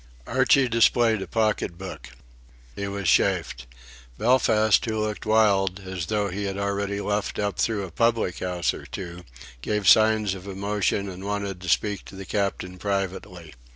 Archie displayed a pocket book. He was chaffed. Belfast, who looked wild, as though he had already luffed up through a public house or two, gave signs of emotion and wanted to speak to the Captain privately.